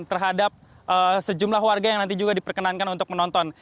terhadap sejumlah warga yang nanti juga diperkenankan untuk menonton